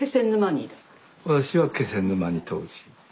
私は気仙沼に当時。